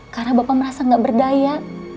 karena bapak merasa nggak berdaya